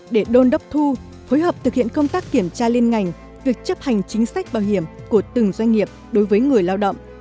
để đôn đốc thu phối hợp thực hiện công tác kiểm tra liên ngành việc chấp hành chính sách bảo hiểm của từng doanh nghiệp đối với người lao động